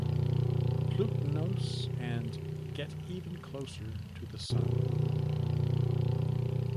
Plutinos and get even closer to the Sun.